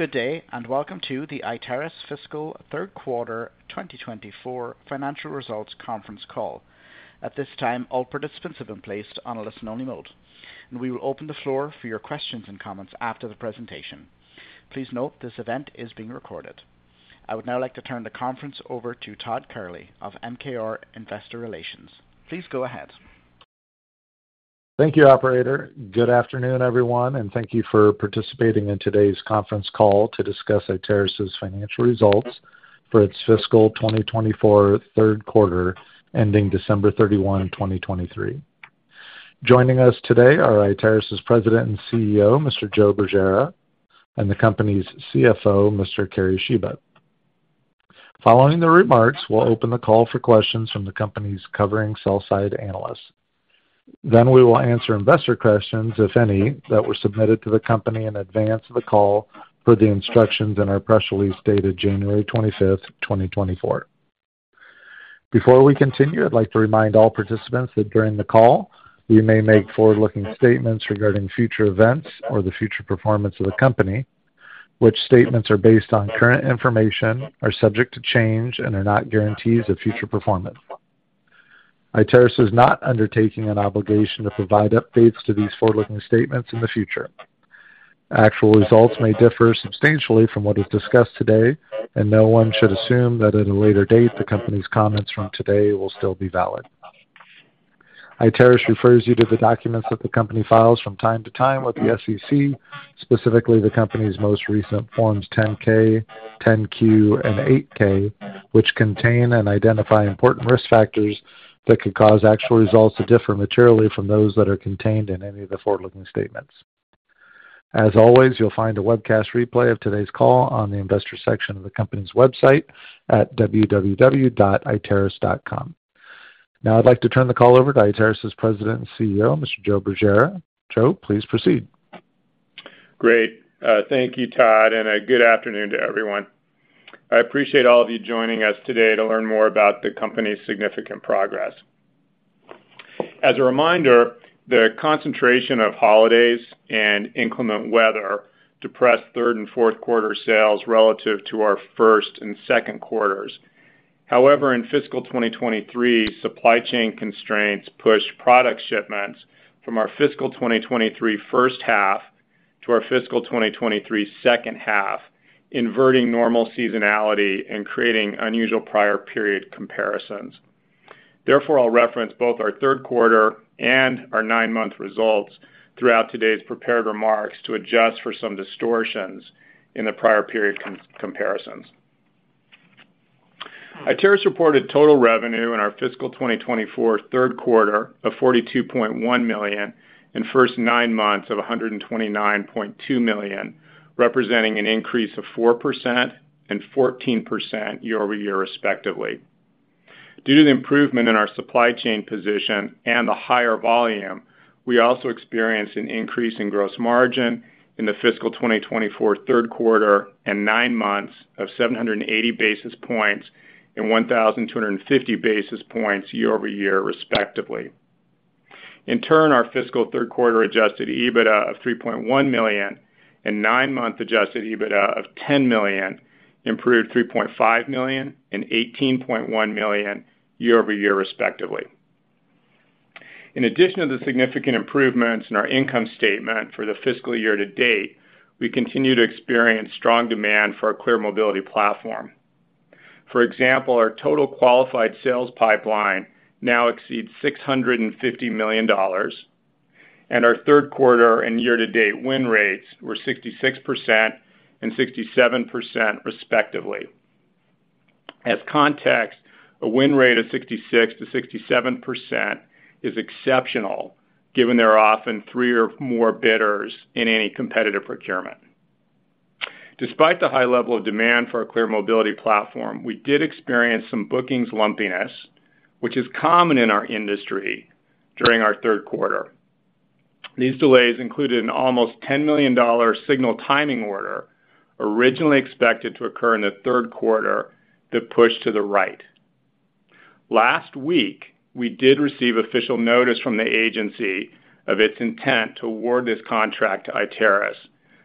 Good day, and welcome to the Iteris Fiscal Third Quarter 2024 Financial Results conference call. At this time, all participants have been placed on a listen-only mode, and we will open the floor for your questions and comments after the presentation. Please note this event is being recorded. I would now like to turn the conference over to Todd Kehrli of MKR Investor Relations. Please go ahead. Thank you, operator. Good afternoon, everyone, and thank you for participating in today's conference call to discuss Iteris's financial results for its Fiscal 2024 Third Quarter, ending December 31, 2023. Joining us today are Iteris's President and CEO, Mr. Joe Bergera, and the company's CFO, Mr. Kerry Shiba. Following the remarks, we'll open the call for questions from the company's covering sell-side analysts. Then we will answer investor questions, if any, that were submitted to the company in advance of the call per the instructions in our press release, dated January 25, 2024. Before we continue, I'd like to remind all participants that during the call, we may make forward-looking statements regarding future events or the future performance of the company, which statements are based on current information, are subject to change, and are not guarantees of future performance. Iteris is not undertaking an obligation to provide updates to these forward-looking statements in the future. Actual results may differ substantially from what is discussed today, and no one should assume that at a later date, the company's comments from today will still be valid. Iteris refers you to the documents that the company files from time to time with the SEC, specifically the company's most recent Form 10-K, 10-Q, and 8-K, which contain and identify important risk factors that could cause actual results to differ materially from those that are contained in any of the forward-looking statements. As always, you'll find a webcast replay of today's call on the investor section of the company's website at www.iteris.com. Now I'd like to turn the call over to Iteris's President and CEO, Mr. Joe Bergera. Joe, please proceed. Great. Thank you, Todd, and good afternoon to everyone. I appreciate all of you joining us today to learn more about the company's significant progress. As a reminder, the concentration of holidays and inclement weather depressed third and fourth quarter sales relative to our first and second quarters. However, in fiscal 2023, supply chain constraints pushed product shipments from our fiscal 2023 first half to our fiscal 2023 second half, inverting normal seasonality and creating unusual prior period comparisons. Therefore, I'll reference both our third quarter and our nine-month results throughout today's prepared remarks to adjust for some distortions in the prior period comparisons. Iteris reported total revenue in our fiscal 2024 third quarter of $42.1 million, and first nine months of $129.2 million, representing an increase of 4% and 14% year-over-year, respectively. Due to the improvement in our supply chain position and the higher volume, we also experienced an increase in gross margin in the fiscal 2024 third quarter and nine months of 780 basis points and 1,250 basis points year-over-year, respectively. In turn, our fiscal third quarter adjusted EBITDA of $3.1 million and nine-month adjusted EBITDA of $10 million improved $3.5 million and $18.1 million year-over-year, respectively. In addition to the significant improvements in our income statement for the fiscal year to date, we continue to experience strong demand for our ClearMobility Platform. For example, our total qualified sales pipeline now exceeds $650 million, and our third quarter and year-to-date win rates were 66% and 67%, respectively. As context, a win rate of 66%-67% is exceptional, given there are often 3 or more bidders in any competitive procurement. Despite the high level of demand for our ClearMobility Platform, we did experience some bookings lumpiness, which is common in our industry during our third quarter. These delays included an almost $10 million signal timing order, originally expected to occur in the third quarter, that pushed to the right. Last week, we did receive official notice from the agency of its intent to award this contract to Iteris,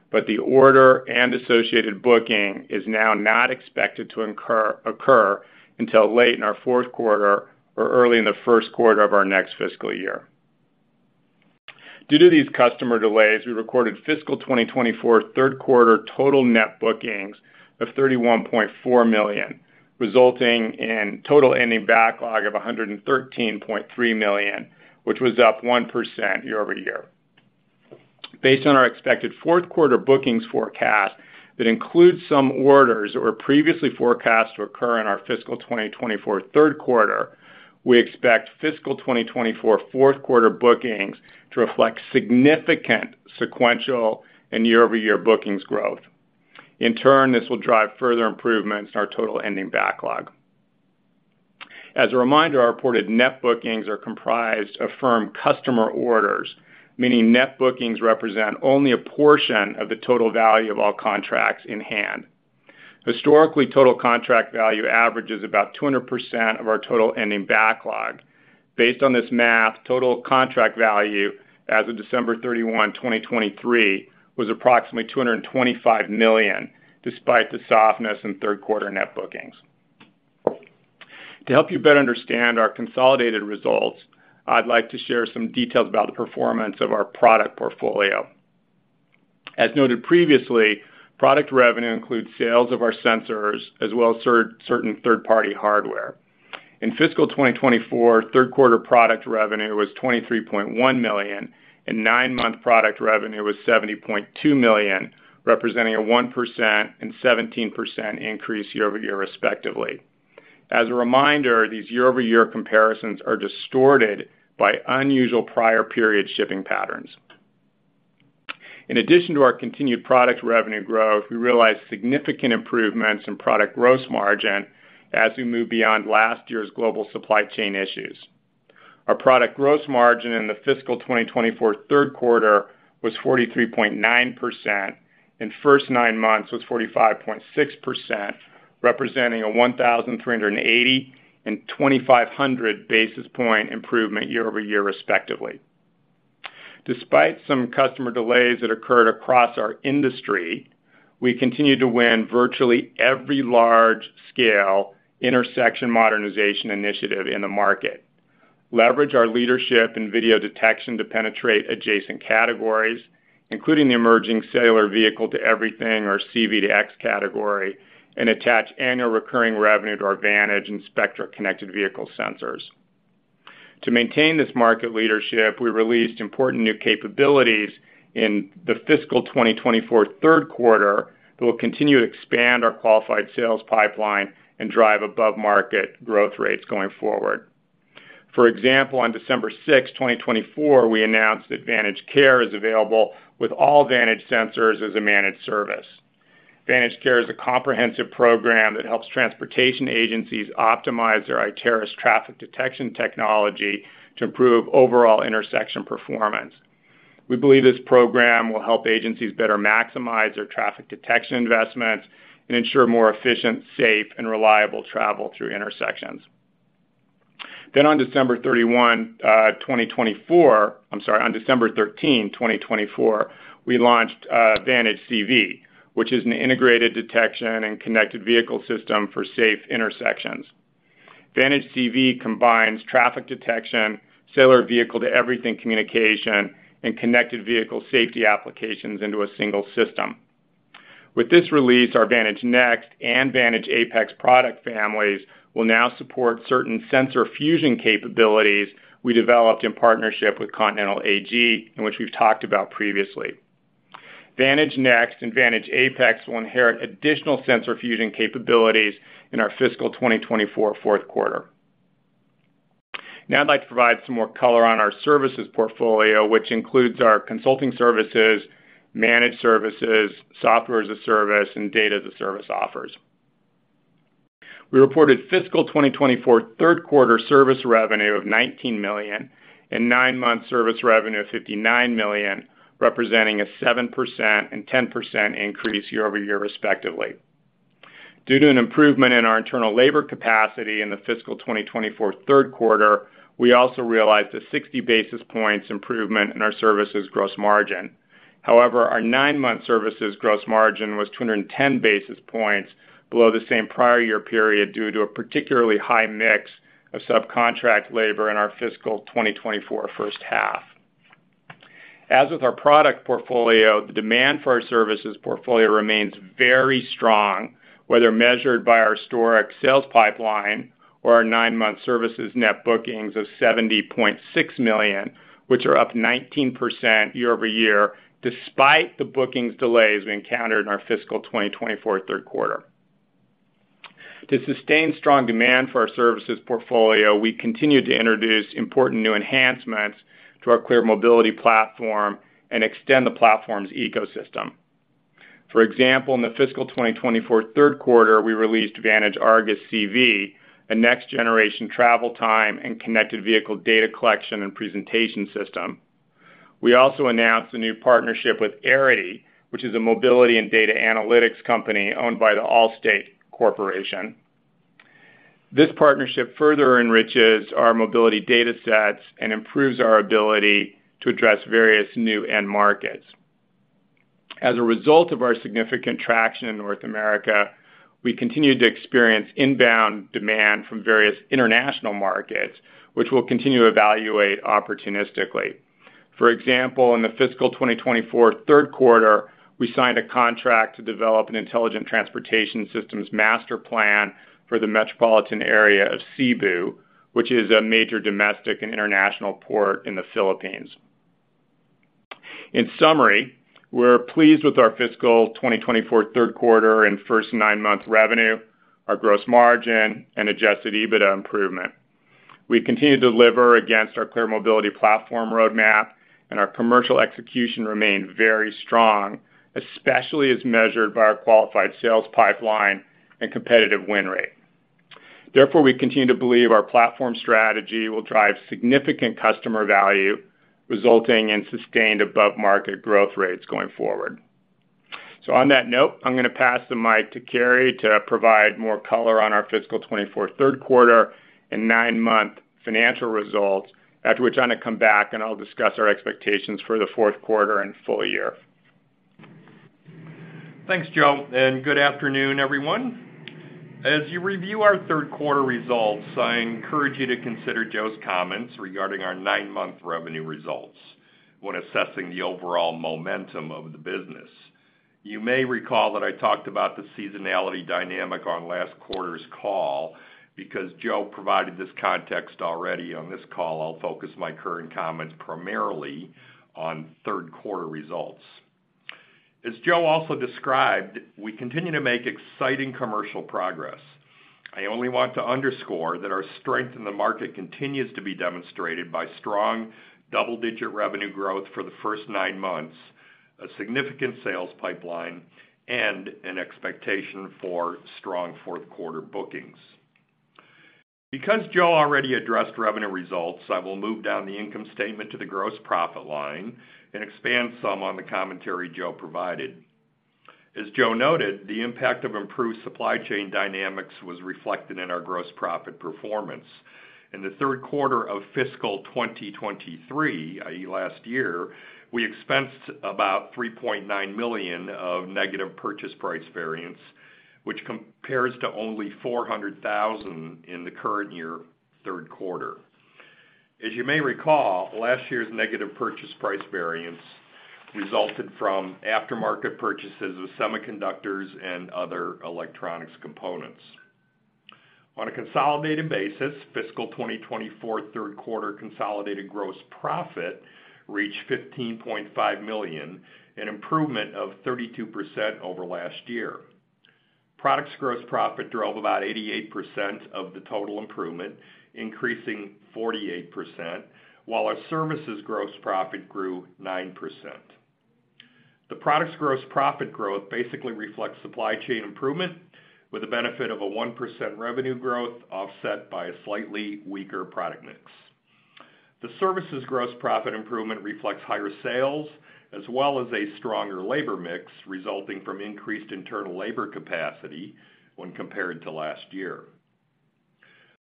but the order and associated booking is now not expected to occur until late in our fourth quarter or early in the first quarter of our next fiscal year. Due to these customer delays, we recorded fiscal 2024 third quarter total net bookings of $31.4 million, resulting in total ending backlog of $113.3 million, which was up 1% year-over-year. Based on our expected fourth quarter bookings forecast that includes some orders that were previously forecast to occur in our fiscal 2024 third quarter, we expect fiscal 2024 fourth quarter bookings to reflect significant sequential and year-over-year bookings growth. In turn, this will drive further improvements in our total ending backlog. As a reminder, our reported net bookings are comprised of firm customer orders, meaning net bookings represent only a portion of the total value of all contracts in hand.... Historically, total contract value averages about 200% of our total ending backlog. Based on this math, total contract value as of December 31, 2023, was approximately $225 million, despite the softness in third quarter net bookings. To help you better understand our consolidated results, I'd like to share some details about the performance of our product portfolio. As noted previously, product revenue includes sales of our sensors as well as certain third-party hardware. In fiscal 2024, third quarter product revenue was $23.1 million, and nine-month product revenue was $70.2 million, representing a 1% and 17% increase year-over-year, respectively. As a reminder, these year-over-year comparisons are distorted by unusual prior period shipping patterns. In addition to our continued product revenue growth, we realized significant improvements in product gross margin as we move beyond last year's global supply chain issues. Our product gross margin in the fiscal 2024 third quarter was 43.9%, and first nine months was 45.6%, representing a 1,380 and 2,500 basis point improvement year-over-year, respectively. Despite some customer delays that occurred across our industry, we continued to win virtually every large-scale intersection modernization initiative in the market, leverage our leadership in video detection to penetrate adjacent categories, including the emerging cellular vehicle to everything or CV to X category, and attach annual recurring revenue to our Vantage and Spectra connected vehicle sensors. To maintain this market leadership, we released important new capabilities in the fiscal 2024 third quarter, that will continue to expand our qualified sales pipeline and drive above-market growth rates going forward. For example, on December 6, 2024, we announced that VantageCare is available with all Vantage sensors as a managed service. VantageCare is a comprehensive program that helps transportation agencies optimize their Iteris traffic detection technology to improve overall intersection performance. We believe this program will help agencies better maximize their traffic detection investments and ensure more efficient, safe, and reliable travel through intersections. Then on December 31, 2024, I'm sorry, on December 13, 2024, we launched Vantage CV, which is an integrated detection and connected vehicle system for safe intersections. Vantage CV combines traffic detection, cellular vehicle-to-everything communication, and connected vehicle safety applications into a single system. With this release, our Vantage Next and Vantage Apex product families will now support certain sensor fusion capabilities we developed in partnership with Continental AG, and which we've talked about previously. Vantage Next and Vantage Apex will inherit additional sensor fusion capabilities in our fiscal 2024 fourth quarter. Now I'd like to provide some more color on our services portfolio, which includes our consulting services, managed services, software as a service, and data as a service offers. We reported fiscal 2024 third quarter service revenue of $19 million, and nine-month service revenue of $59 million, representing a 7% and 10% increase year-over-year, respectively. Due to an improvement in our internal labor capacity in the fiscal 2024 third quarter, we also realized a 60 basis points improvement in our services gross margin. However, our nine-month services gross margin was 210 basis points below the same prior year period due to a particularly high mix of subcontract labor in our fiscal 2024 first half. As with our product portfolio, the demand for our services portfolio remains very strong, whether measured by our historic sales pipeline or our 9-month services net bookings of $70.6 million, which are up 19% year-over-year, despite the bookings delays we encountered in our fiscal 2024 third quarter. To sustain strong demand for our services portfolio, we continued to introduce important new enhancements to our ClearMobility Platform and extend the platform's ecosystem. For example, in the fiscal 2024 third quarter, we released VantageArgus CV, a next-generation travel time and connected vehicle data collection and presentation system. We also announced a new partnership with Arity, which is a mobility and data analytics company owned by the Allstate Corporation. This partnership further enriches our mobility data sets and improves our ability to address various new end markets. As a result of our significant traction in North America, we continued to experience inbound demand from various international markets, which we'll continue to evaluate opportunistically. For example, in the fiscal 2024 third quarter, we signed a contract to develop an Intelligent Transportation Systems master plan for the metropolitan area of Cebu, which is a major domestic and international port in the Philippines. In summary, we're pleased with our fiscal 2024 third quarter and first nine-month revenue, our gross margin and Adjusted EBITDA improvement. We continued to deliver against our ClearMobility Platform roadmap, and our commercial execution remained very strong, especially as measured by our qualified sales pipeline and competitive win rate.... Therefore, we continue to believe our platform strategy will drive significant customer value, resulting in sustained above-market growth rates going forward. So on that note, I'm gonna pass the mic to Kerry to provide more color on our fiscal 2024 third quarter and nine-month financial results. After which, I'm gonna come back, and I'll discuss our expectations for the fourth quarter and full year. Thanks, Joe, and good afternoon, everyone. As you review our third quarter results, I encourage you to consider Joe's comments regarding our nine-month revenue results when assessing the overall momentum of the business. You may recall that I talked about the seasonality dynamic on last quarter's call. Because Joe provided this context already on this call, I'll focus my current comments primarily on third quarter results. As Joe also described, we continue to make exciting commercial progress. I only want to underscore that our strength in the market continues to be demonstrated by strong double-digit revenue growth for the first nine months, a significant sales pipeline, and an expectation for strong fourth quarter bookings. Because Joe already addressed revenue results, I will move down the income statement to the gross profit line and expand some on the commentary Joe provided. As Joe noted, the impact of improved supply chain dynamics was reflected in our gross profit performance. In the third quarter of fiscal 2023, i.e., last year, we expensed about $3.9 million of negative purchase price variance, which compares to only $400,000 in the current year, third quarter. As you may recall, last year's negative purchase price variance resulted from aftermarket purchases of semiconductors and other electronics components. On a consolidated basis, fiscal 2024 third quarter consolidated gross profit reached $15.5 million, an improvement of 32% over last year. Products gross profit drove about 88% of the total improvement, increasing 48%, while our services gross profit grew 9%. The products gross profit growth basically reflects supply chain improvement with the benefit of a 1% revenue growth, offset by a slightly weaker product mix. The Services gross profit improvement reflects higher sales, as well as a stronger labor mix, resulting from increased internal labor capacity when compared to last year.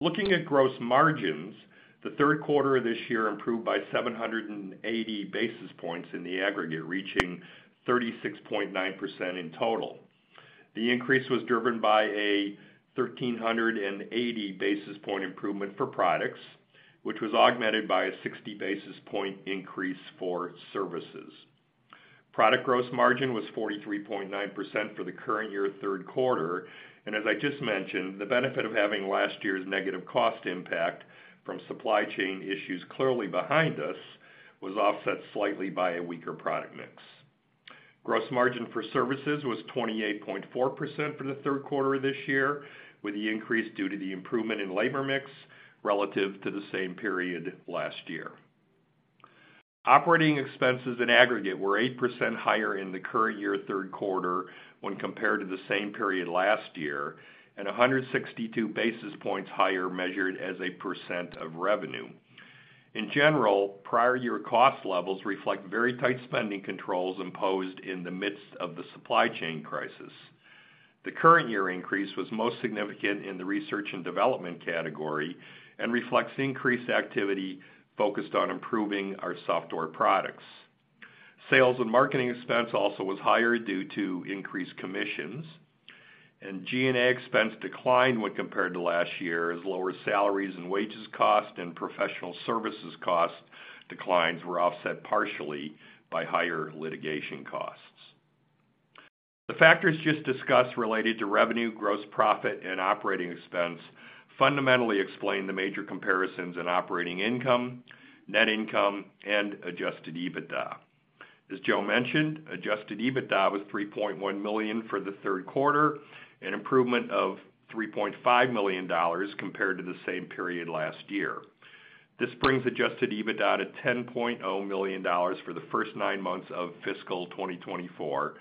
Looking at gross margins, the third quarter of this year improved by 780 basis points in the aggregate, reaching 36.9% in total. The increase was driven by a 1,380 basis point improvement for Products, which was augmented by a 60 basis point increase for Services. Product gross margin was 43.9% for the current year, third quarter, and as I just mentioned, the benefit of having last year's negative cost impact from supply chain issues clearly behind us, was offset slightly by a weaker product mix. Gross margin for services was 28.4% for the third quarter of this year, with the increase due to the improvement in labor mix relative to the same period last year. Operating expenses in aggregate were 8% higher in the current year, third quarter, when compared to the same period last year, and 162 basis points higher, measured as a % of revenue. In general, prior year cost levels reflect very tight spending controls imposed in the midst of the supply chain crisis. The current year increase was most significant in the research and development category and reflects increased activity focused on improving our software products. Sales and marketing expense also was higher due to increased commissions, and G&A expense declined when compared to last year, as lower salaries and wages cost and professional services cost declines were offset partially by higher litigation costs. The factors just discussed related to revenue, gross profit, and operating expense fundamentally explain the major comparisons in operating income, net income, and adjusted EBITDA. As Joe mentioned, adjusted EBITDA was $3.1 million for the third quarter, an improvement of $3.5 million compared to the same period last year. This brings adjusted EBITDA to $10.0 million for the first nine months of fiscal 2024,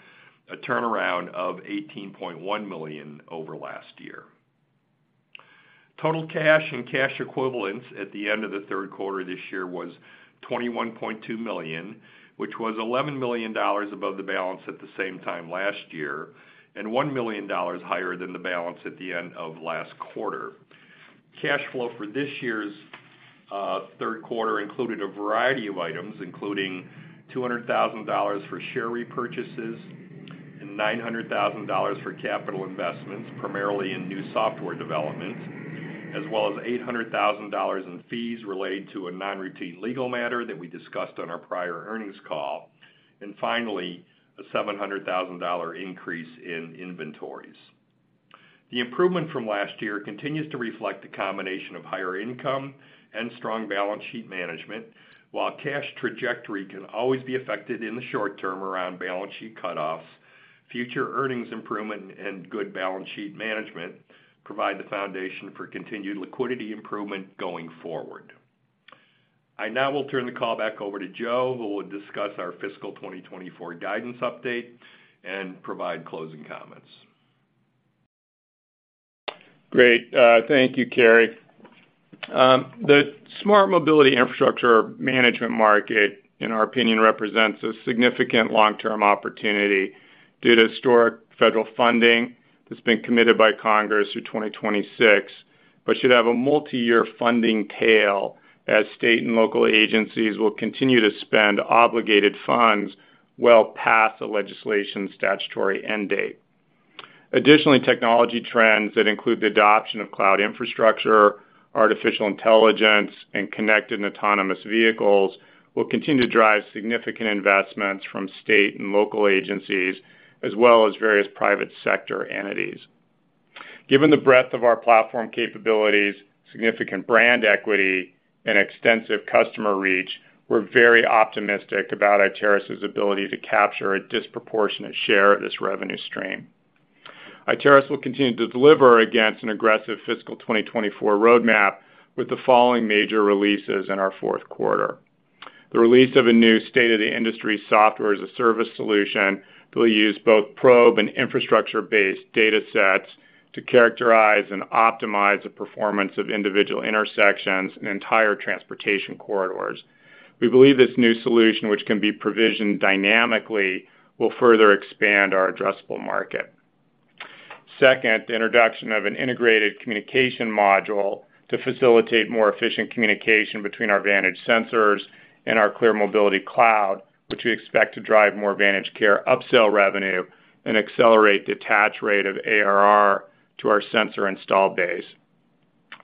a turnaround of $18.1 million over last year. Total cash and cash equivalents at the end of the third quarter this year was $21.2 million, which was $11 million above the balance at the same time last year, and $1 million higher than the balance at the end of last quarter. Cash flow for this year's third quarter included a variety of items, including $200,000 for share repurchases and $900,000 for capital investments, primarily in new software developments, as well as $800,000 in fees related to a non-routine legal matter that we discussed on our prior earnings call, and finally, a $700,000 increase in inventories. The improvement from last year continues to reflect a combination of higher income and strong balance sheet management. While cash trajectory can always be affected in the short term around balance sheet cutoffs, future earnings improvement and good balance sheet management provide the foundation for continued liquidity improvement going forward.... I now will turn the call back over to Joe, who will discuss our fiscal 2024 guidance update and provide closing comments. Great. Thank you, Kerry. The smart mobility infrastructure management market, in our opinion, represents a significant long-term opportunity due to historic federal funding that's been committed by Congress through 2026, but should have a multi-year funding tail as state and local agencies will continue to spend obligated funds well past the legislation's statutory end date. Additionally, technology trends that include the adoption of cloud infrastructure, artificial intelligence, and connected and autonomous vehicles will continue to drive significant investments from state and local agencies, as well as various private sector entities. Given the breadth of our platform capabilities, significant brand equity, and extensive customer reach, we're very optimistic about Iteris' ability to capture a disproportionate share of this revenue stream. Iteris will continue to deliver against an aggressive fiscal 2024 roadmap with the following major releases in our fourth quarter. The release of a new state-of-the-industry software-as-a-service solution that will use both probe and infrastructure-based datasets to characterize and optimize the performance of individual intersections and entire transportation corridors. We believe this new solution, which can be provisioned dynamically, will further expand our addressable market. Second, the introduction of an integrated communication module to facilitate more efficient communication between our Vantage sensors and our ClearMobility Cloud, which we expect to drive more VantageCare upsell revenue and accelerate attach rate of ARR to our sensor install base.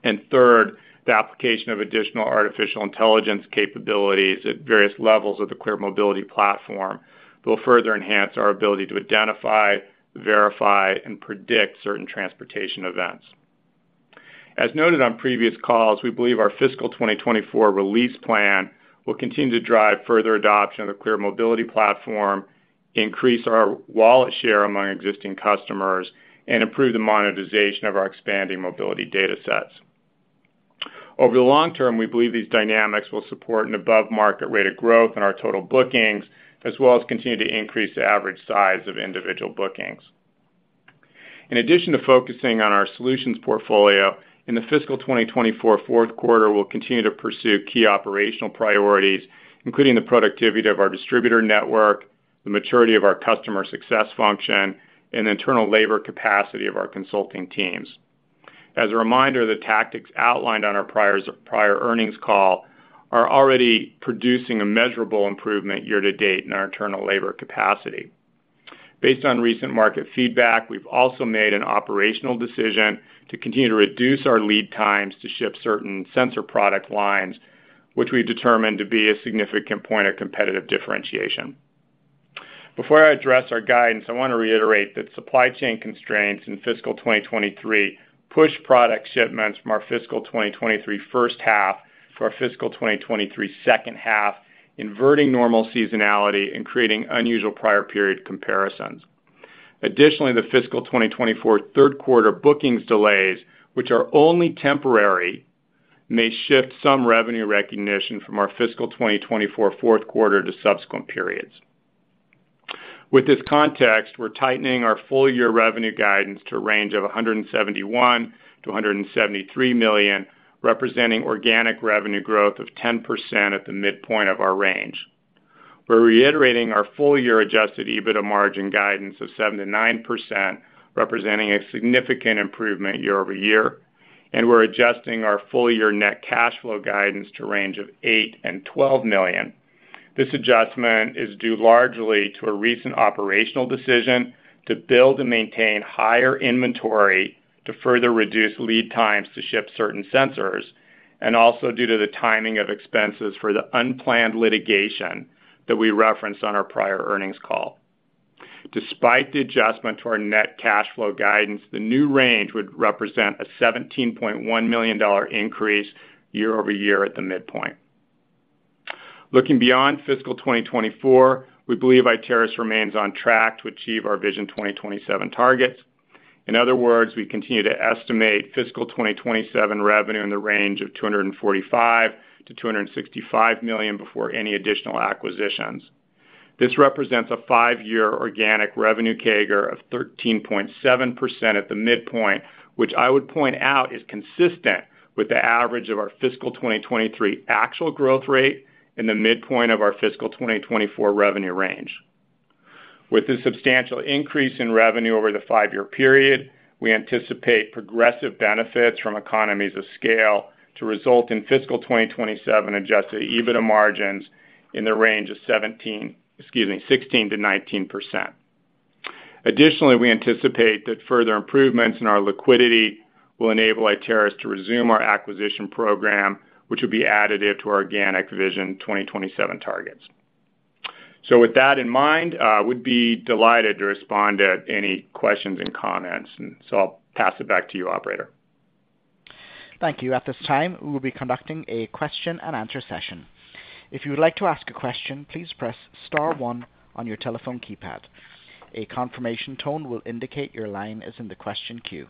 And third, the application of additional artificial intelligence capabilities at various levels of the ClearMobility Platform will further enhance our ability to identify, verify, and predict certain transportation events. As noted on previous calls, we believe our fiscal 2024 release plan will continue to drive further adoption of the ClearMobility Platform, increase our wallet share among existing customers, and improve the monetization of our expanding mobility datasets. Over the long term, we believe these dynamics will support an above-market rate of growth in our total bookings, as well as continue to increase the average size of individual bookings. In addition to focusing on our solutions portfolio, in the fiscal 2024 fourth quarter, we'll continue to pursue key operational priorities, including the productivity of our distributor network, the maturity of our customer success function, and the internal labor capacity of our consulting teams. As a reminder, the tactics outlined on our prior earnings call are already producing a measurable improvement year to date in our internal labor capacity. Based on recent market feedback, we've also made an operational decision to continue to reduce our lead times to ship certain sensor product lines, which we determined to be a significant point of competitive differentiation. Before I address our guidance, I want to reiterate that supply chain constraints in fiscal 2023 pushed product shipments from our fiscal 2023 first half to our fiscal 2023 second half, inverting normal seasonality and creating unusual prior period comparisons. Additionally, the fiscal 2024 third quarter bookings delays, which are only temporary, may shift some revenue recognition from our fiscal 2024 fourth quarter to subsequent periods. With this context, we're tightening our full-year revenue guidance to a range of $171 million-$173 million, representing organic revenue growth of 10% at the midpoint of our range. We're reiterating our full-year adjusted EBITDA margin guidance of 7%-9%, representing a significant improvement year-over-year, and we're adjusting our full-year net cash flow guidance to a range of $8 million-$12 million. This adjustment is due largely to a recent operational decision to build and maintain higher inventory to further reduce lead times to ship certain sensors, and also due to the timing of expenses for the unplanned litigation that we referenced on our prior earnings call. Despite the adjustment to our net cash flow guidance, the new range would represent a $17.1 million increase year-over-year at the midpoint. Looking beyond fiscal 2024, we believe Iteris remains on track to achieve our Vision 2027 targets. In other words, we continue to estimate fiscal 2027 revenue in the range of $245 million-$265 million before any additional acquisitions. This represents a 5-year organic revenue CAGR of 13.7% at the midpoint, which I would point out is consistent with the average of our fiscal 2023 actual growth rate and the midpoint of our fiscal 2024 revenue range. With this substantial increase in revenue over the 5-year period, we anticipate progressive benefits from economies of scale to result in fiscal 2027 adjusted EBITDA margins in the range of 17%—excuse me, 16%-19%. Additionally, we anticipate that further improvements in our liquidity will enable Iteris to resume our acquisition program, which will be additive to our organic Vision 2027 targets. So with that in mind, we'd be delighted to respond to any questions and comments, and so I'll pass it back to you, operator. Thank you. At this time, we will be conducting a question and answer session.... If you would like to ask a question, please press star one on your telephone keypad. A confirmation tone will indicate your line is in the question queue.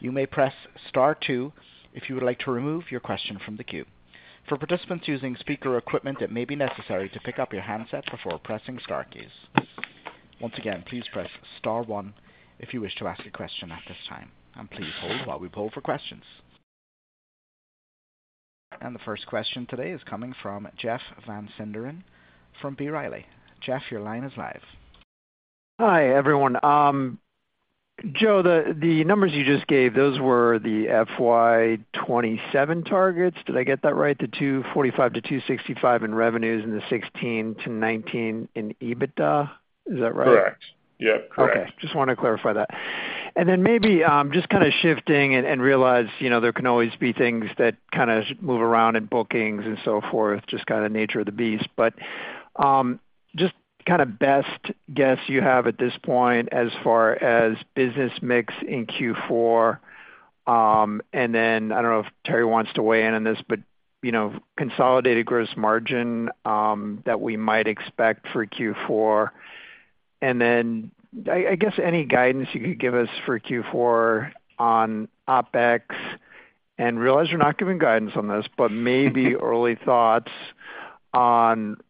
You may press star two if you would like to remove your question from the queue. For participants using speaker equipment, it may be necessary to pick up your handset before pressing star keys. Once again, please press star one if you wish to ask a question at this time, and please hold while we pull for questions. And the first question today is coming from Jeff Van Sinderen from B. Riley. Jeff, your line is live. Hi, everyone. Joe, the numbers you just gave, those were the FY 2027 targets. Did I get that right? The $245-$265 in revenues and the $16-$19 in EBITDA. Is that right? Correct. Yep, correct. Okay, just want to clarify that. And then maybe, just kind of shifting and realize, you know, there can always be things that kind of move around in bookings and so forth, just kind of nature of the beast. But, just kind of best guess you have at this point as far as business mix in Q4. And then I don't know if Kerry wants to weigh in on this, but, you know, consolidated gross margin that we might expect for Q4. And then I guess any guidance you could give us for Q4 on OpEx, and realize you're not giving guidance on this, but maybe early thoughts on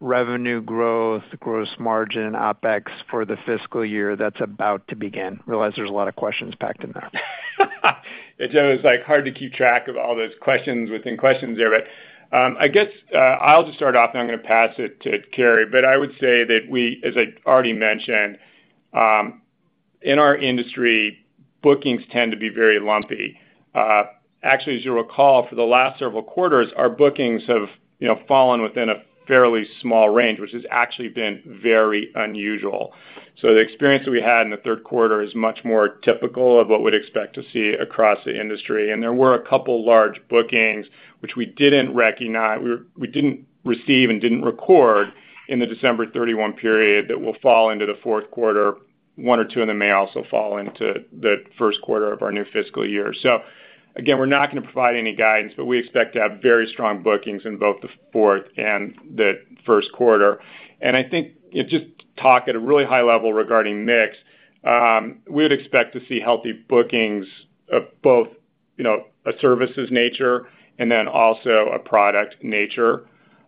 revenue growth, gross margin, OpEx for the fiscal year that's about to begin. Realize there's a lot of questions packed in there. It's always, like, hard to keep track of all those questions within questions there, but, I guess, I'll just start off, and I'm gonna pass it to Kerry. But I would say that we, as I already mentioned, in our industry, bookings tend to be very lumpy. Actually, as you'll recall, for the last several quarters, our bookings have, you know, fallen within a fairly small range, which has actually been very unusual. So the experience that we had in the third quarter is much more typical of what we'd expect to see across the industry. And there were a couple large bookings, which we didn't recognize. We didn't receive and didn't record in the December 31 period, that will fall into the fourth quarter. One or two of them may also fall into the first quarter of our new fiscal year. So again, we're not gonna provide any guidance, but we expect to have very strong bookings in both the fourth and the first quarter. And I think to just talk at a really high level regarding mix, we would expect to see healthy bookings of both, you know, a services nature and then also a product nature.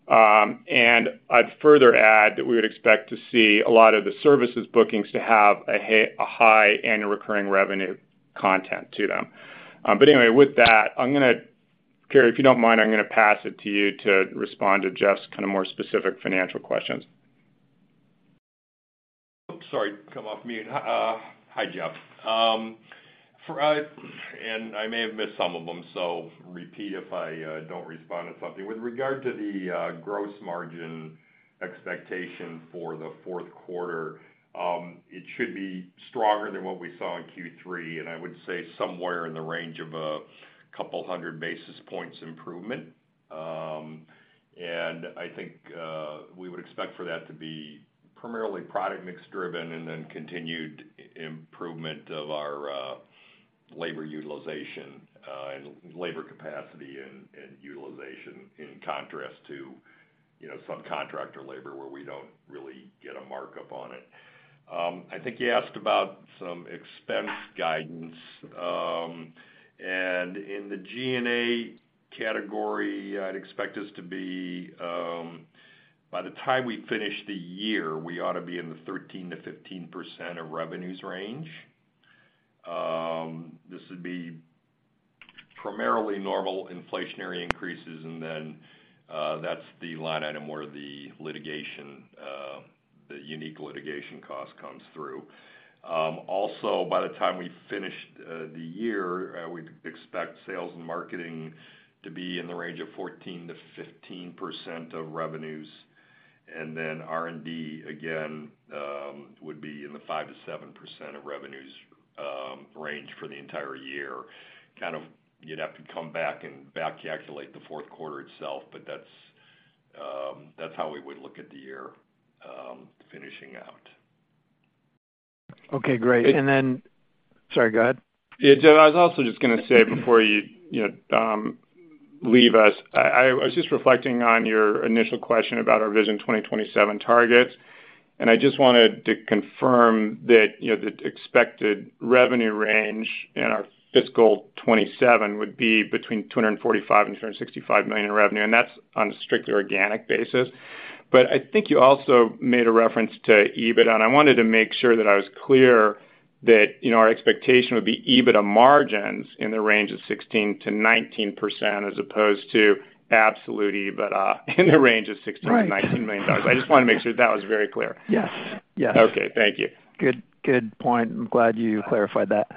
And I'd further add that we would expect to see a lot of the services bookings to have a high annual recurring revenue content to them. But anyway, with that, I'm gonna... Kerry, if you don't mind, I'm gonna pass it to you to respond to Jeff's kind of more specific financial questions. Sorry, come off mute. Hi, Jeff. I may have missed some of them, so repeat if I don't respond to something. With regard to the gross margin expectation for the fourth quarter, it should be stronger than what we saw in Q3, and I would say somewhere in the range of 200 basis points improvement. I think we would expect for that to be primarily product mix driven and then continued improvement of our labor utilization and labor capacity and utilization, in contrast to, you know, subcontractor labor, where we don't really get a markup on it. I think you asked about some expense guidance, and in the G&A category, I'd expect us to be, by the time we finish the year, we ought to be in the 13%-15% of revenues range. This would be primarily normal inflationary increases, and then, that's the line item where the litigation, the unique litigation cost comes through. Also, by the time we finish, the year, we'd expect sales and marketing to be in the range of 14%-15% of revenues, and then R&D, again, would be in the 5%-7% of revenues range for the entire year. Kind of you'd have to come back and back calculate the fourth quarter itself, but that's, that's how we would look at the year, finishing out. Okay, great. And then... Sorry, go ahead. Yeah, Jeff, I was also just gonna say before you, you know, leave us, I was just reflecting on your initial question about our Vision 2027 targets, and I just wanted to confirm that, you know, the expected revenue range in our fiscal 2027 would be between $245 million and $265 million in revenue, and that's on a strictly organic basis. But I think you also made a reference to EBITDA, and I wanted to make sure that I was clear that, you know, our expectation would be EBITDA margins in the range of 16%-19% as opposed to absolute EBITDA in the range of $16 million-$19 million. Right. I just wanted to make sure that was very clear. Yes, yes. Okay, thank you. Good, good point. I'm glad you clarified that.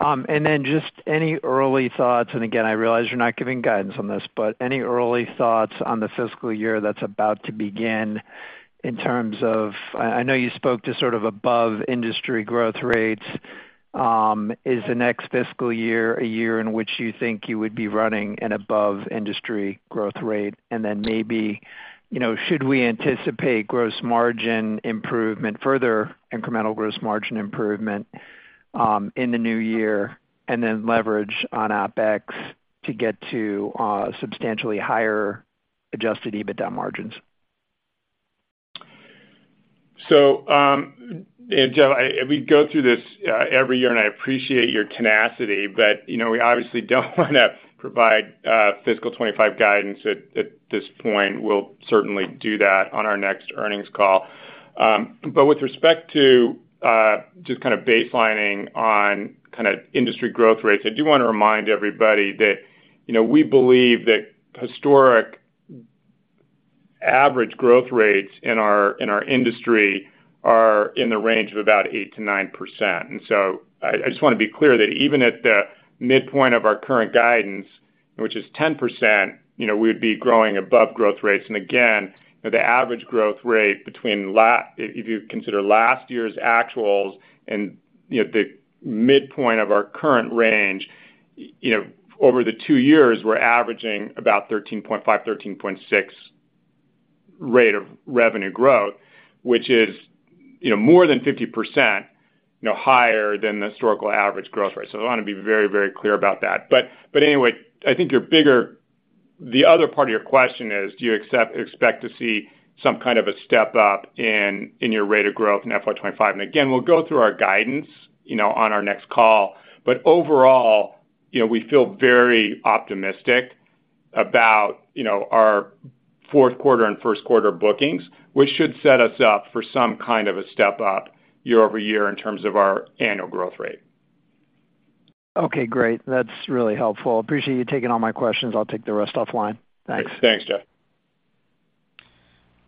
And then just any early thoughts, and again, I realize you're not giving guidance on this, but any early thoughts on the fiscal year that's about to begin in terms of... I know you spoke to sort of above-industry growth rates. Is the next fiscal year a year in which you think you would be running an above-industry growth rate? And then maybe, you know, should we anticipate gross margin improvement, further incremental gross margin improvement, in the new year, and then leverage on OpEx to get to substantially higher Adjusted EBITDA margins?... So, and Jeff, I, we go through this every year, and I appreciate your tenacity, but, you know, we obviously don't want to provide fiscal 25 guidance at this point. We'll certainly do that on our next earnings call. But with respect to just kind of baselining on kind of industry growth rates, I do want to remind everybody that, you know, we believe that historic average growth rates in our, in our industry are in the range of about 8%-9%. And so I, I just want to be clear that even at the midpoint of our current guidance, which is 10%, you know, we'd be growing above growth rates. Again, the average growth rate between—if you consider last year's actuals and, you know, the midpoint of our current range, you know, over the two years, we're averaging about 13.5-13.6 rate of revenue growth, which is, you know, more than 50% higher than the historical average growth rate. So I want to be very, very clear about that. But anyway, I think your bigger... The other part of your question is, do you expect to see some kind of a step-up in your rate of growth in FY 2025? And again, we'll go through our guidance, you know, on our next call. Overall, you know, we feel very optimistic about, you know, our fourth quarter and first quarter bookings, which should set us up for some kind of a step-up year-over-year in terms of our annual growth rate. Okay, great. That's really helpful. Appreciate you taking all my questions. I'll take the rest offline. Thanks. Thanks, Jeff.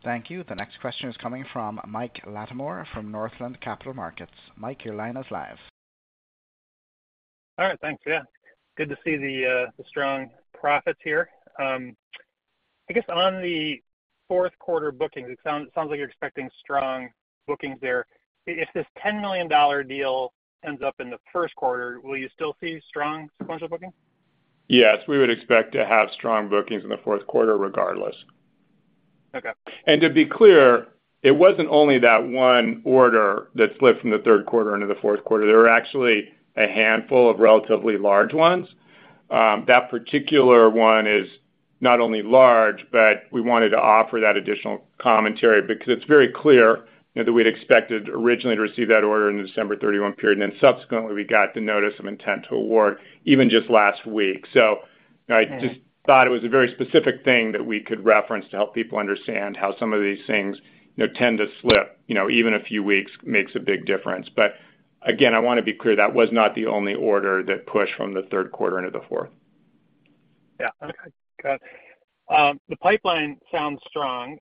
Thank you. The next question is coming from Mike Latimore from Northland Capital Markets. Mike, your line is live. All right, thanks. Yeah. Good to see the strong profits here. I guess on the fourth quarter bookings, it sounds like you're expecting strong bookings there. If this $10 million deal ends up in the first quarter, will you still see strong sequential bookings? Yes, we would expect to have strong bookings in the fourth quarter regardless. Okay. To be clear, it wasn't only that one order that slipped from the third quarter into the fourth quarter. There were actually a handful of relatively large ones. That particular one is not only large, but we wanted to offer that additional commentary because it's very clear that we'd expected originally to receive that order in the December 31 period, and then subsequently, we got the notice of intent to award even just last week. So I just thought it was a very specific thing that we could reference to help people understand how some of these things, you know, tend to slip. You know, even a few weeks makes a big difference. But again, I want to be clear, that was not the only order that pushed from the third quarter into the fourth. Yeah. Okay, got it. The pipeline sounds strong.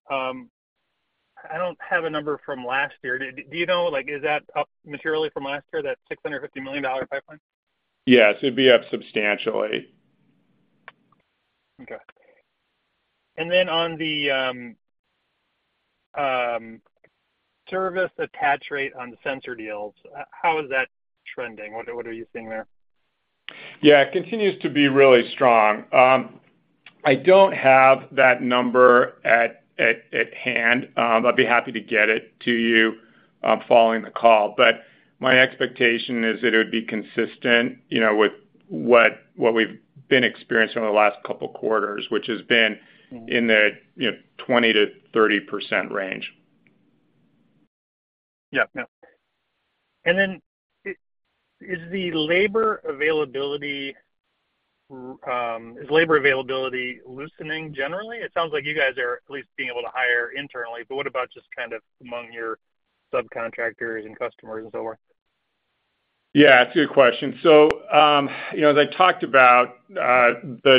I don't have a number from last year. Do you know, like, is that up materially from last year, that $650 million pipeline? Yes, it'd be up substantially. Okay. And then on the service attach rate on the sensor deals, how is that trending? What are you seeing there? Yeah, it continues to be really strong. I don't have that number at hand. I'd be happy to get it to you following the call, but my expectation is that it would be consistent, you know, with what we've been experiencing over the last couple of quarters, which has been in the, you know, 20%-30% range. Yeah. Yeah. And then, is the labor availability loosening generally? It sounds like you guys are at least being able to hire internally, but what about just kind of among your subcontractors and customers and so on? Yeah, it's a good question. So, you know, as I talked about, on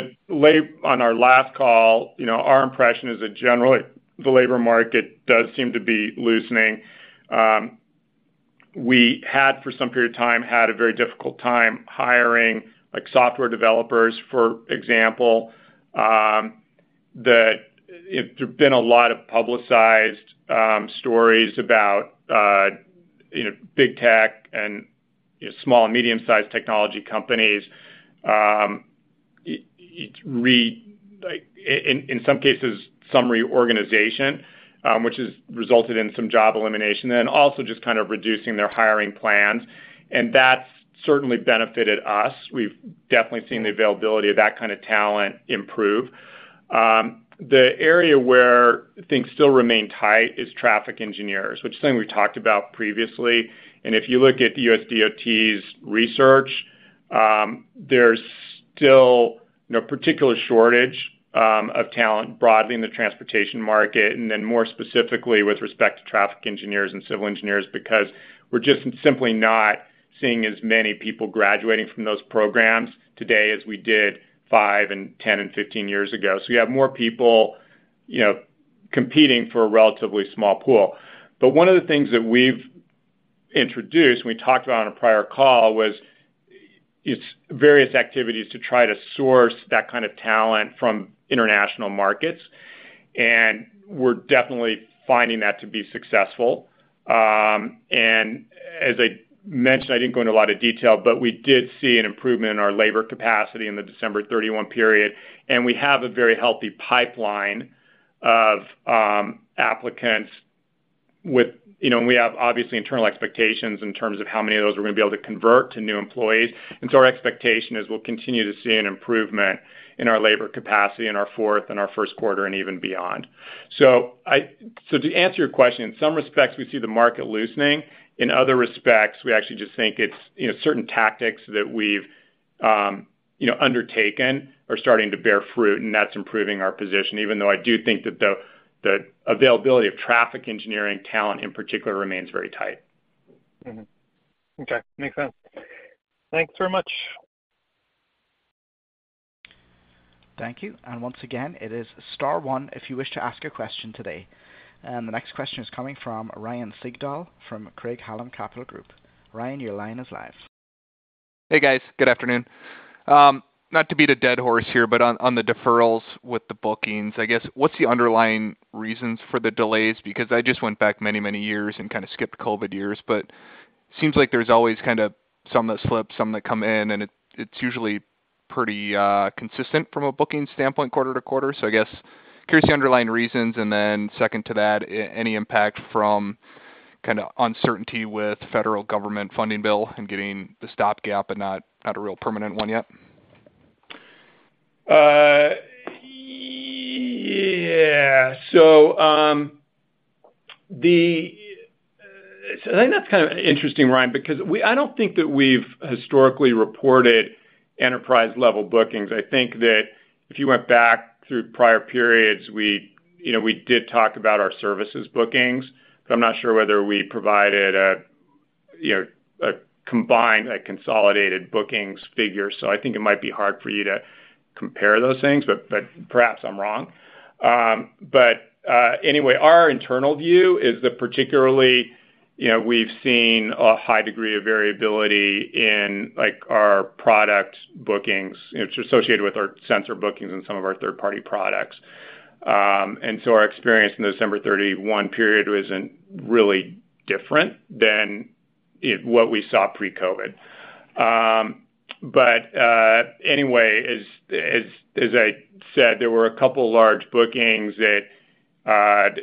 our last call, you know, our impression is that generally, the labor market does seem to be loosening. We had, for some period of time, had a very difficult time hiring, like, software developers, for example. There's been a lot of publicized stories about, you know, big tech and small and medium-sized technology companies, like, in some cases, some reorganization, which has resulted in some job elimination, and then also just kind of reducing their hiring plans, and that's certainly benefited us. We've definitely seen the availability of that kind of talent improve. The area where things still remain tight is traffic engineers, which is something we talked about previously. If you look at the USDOT's research, there's still no particular shortage of talent broadly in the transportation market, and then more specifically with respect to traffic engineers and civil engineers, because we're just simply not seeing as many people graduating from those programs today as we did 5 and 10 and 15 years ago. So you have more people, you know, competing for a relatively small pool. But one of the things that we've introduced, we talked about on a prior call, was its various activities to try to source that kind of talent from international markets, and we're definitely finding that to be successful. And as I mentioned, I didn't go into a lot of detail, but we did see an improvement in our labor capacity in the December 31 period, and we have a very healthy pipeline of applicants-... with, you know, we have obviously internal expectations in terms of how many of those we're gonna be able to convert to new employees. And so our expectation is we'll continue to see an improvement in our labor capacity in our fourth and our first quarter and even beyond. So to answer your question, in some respects, we see the market loosening. In other respects, we actually just think it's, you know, certain tactics that we've, you know, undertaken are starting to bear fruit, and that's improving our position, even though I do think that the availability of traffic engineering talent, in particular, remains very tight. Mm-hmm. Okay. Makes sense. Thanks very much. Thank you. Once again, it is star one if you wish to ask a question today. The next question is coming from Ryan Sigdahl from Craig-Hallum Capital Group. Ryan, your line is live. Hey, guys. Good afternoon. Not to beat a dead horse here, but on the deferrals with the bookings, I guess, what's the underlying reasons for the delays? Because I just went back many, many years and kinda skipped COVID years, but seems like there's always kind of some that slip, some that come in, and it's usually pretty consistent from a booking standpoint, quarter to quarter. So I guess, curious the underlying reasons, and then second to that, any impact from kinda uncertainty with federal government funding bill and getting the stopgap and not a real permanent one yet? Yeah. So I think that's kind of interesting, Ryan, because I don't think that we've historically reported enterprise-level bookings. I think that if you went back through prior periods, we, you know, we did talk about our services bookings, but I'm not sure whether we provided a, you know, a combined, a consolidated bookings figure. So I think it might be hard for you to compare those things, but perhaps I'm wrong. But anyway, our internal view is that particularly, you know, we've seen a high degree of variability in, like, our product bookings. It's associated with our sensor bookings and some of our third-party products. And so our experience in the December 31 period wasn't really different than what we saw pre-COVID. But anyway, as I said, there were a couple of large bookings that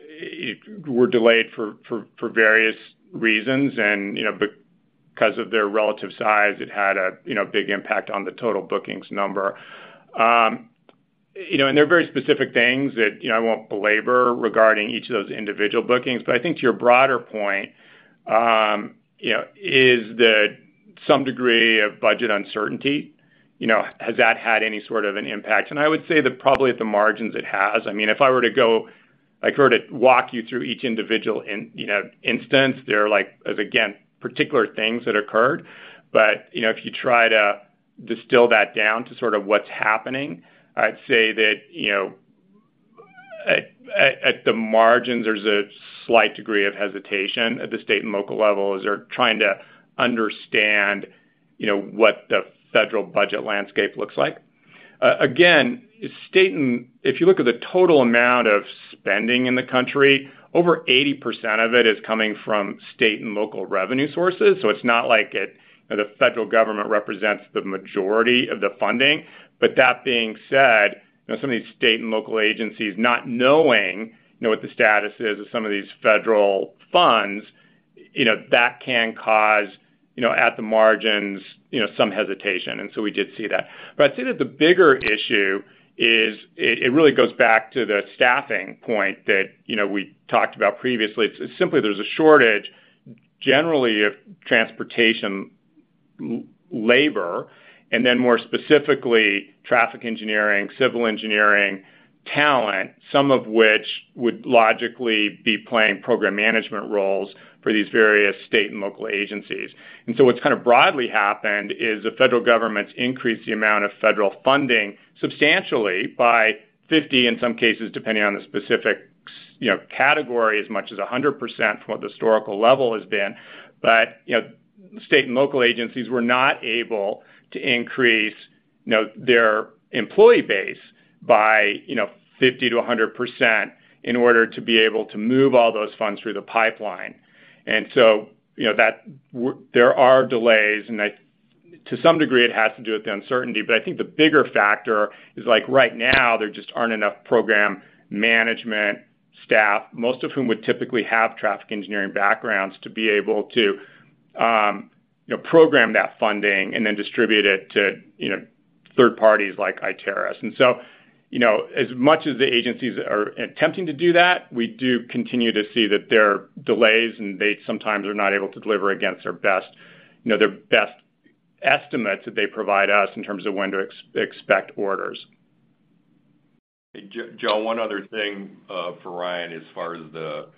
were delayed for various reasons. You know, because of their relative size, it had a big impact on the total bookings number. You know, they're very specific things that, you know, I won't belabor regarding each of those individual bookings. But I think to your broader point, you know, is that some degree of budget uncertainty, you know, has that had any sort of an impact? And I would say that probably at the margins, it has. I mean, if I were to go... Like, were to walk you through each individual instance, there are like, again, particular things that occurred. But, you know, if you try to distill that down to sort of what's happening, I'd say that, you know, at the margins, there's a slight degree of hesitation at the state and local levels as they're trying to understand, you know, what the federal budget landscape looks like. Again, state and local, if you look at the total amount of spending in the country, over 80% of it is coming from state and local revenue sources, so it's not like it, the federal government represents the majority of the funding. But that being said, you know, some of these state and local agencies not knowing, you know, what the status is of some of these federal funds, you know, that can cause, you know, at the margins, you know, some hesitation, and so we did see that. But I'd say that the bigger issue is, it really goes back to the staffing point that, you know, we talked about previously. It's simply there's a shortage, generally, of transportation labor, and then more specifically, traffic engineering, civil engineering talent, some of which would logically be playing program management roles for these various state and local agencies. And so what's kind of broadly happened is the federal government's increased the amount of federal funding substantially by 50%, in some cases, depending on the specific, you know, category, as much as 100% from what the historical level has been. But, you know, state and local agencies were not able to increase, you know, their employee base by, you know, 50%-100% in order to be able to move all those funds through the pipeline. And so, you know, that there are delays, and to some degree, it has to do with the uncertainty, but I think the bigger factor is, like, right now, there just aren't enough program management staff, most of whom would typically have traffic engineering backgrounds to be able to, you know, program that funding and then distribute it to, you know, third parties like Iteris. And so, you know, as much as the agencies are attempting to do that, we do continue to see that there are delays, and they sometimes are not able to deliver against their best, you know, their best estimates that they provide us in terms of when to expect orders. Joe, one other thing, for Ryan, as far as the